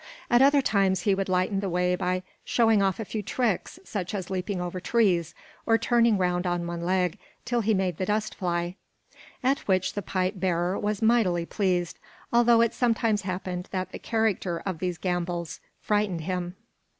At other times he would lighten the way by showing off a few tricks, such as leaping over trees, or turning round on one leg till he made the dust fly; at which the pipe bearer was mightily pleased, although it sometimes happened that the character of these gambols frightened him.